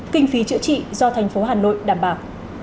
kinh phí chữa trị do thành phố hà nội đảm bảo